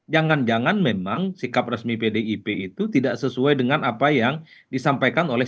jangan jangan memang sikap resmi pdip itu tidak sesuai dengan apa yang disampaikan oleh